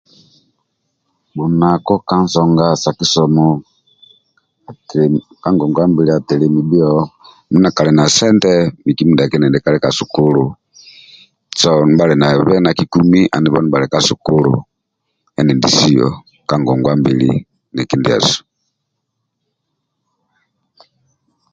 Bhunako ka nsonga sa kisomo ka ngongwa mbili atelemi bhio mindia kali na sente miki mindiki endindi kali ka sukulu so ndibhalibe na kikumi andibho ndibha bhalibe na kikumi andibho ndibha bhali ka sukulu ka ngongwa mbili ndie kindiasu